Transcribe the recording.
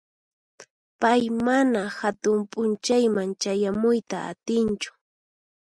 Pay mana hatun p'unchayman chayamuyta atinchu.